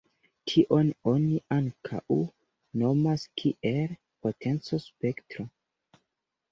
Tion oni ankaŭ nomas kiel potenco-spektro.